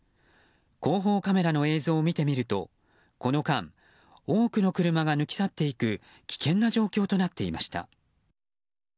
後方カメラの映像を見てみるとこの間多くの車が抜き去っていく危険な状況となっていました。